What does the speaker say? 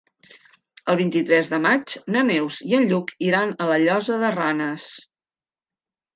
El vint-i-tres de maig na Neus i en Lluc iran a la Llosa de Ranes.